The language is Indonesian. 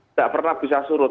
nggak pernah bisa surut